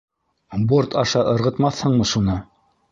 Борт аша ырғытмаҫһыңмы шуны?